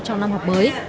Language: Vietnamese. trong năm học mới